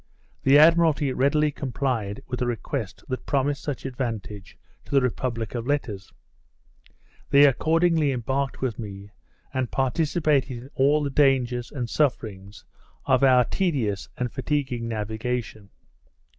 The Admiralty readily complied with a request that promised such advantage to the republic of letters. They accordingly embarked with me, and participated in all the dangers and sufferings of our tedious and fatiguing navigation.